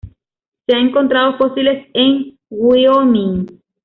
Se han encontrado fósiles en Wyoming.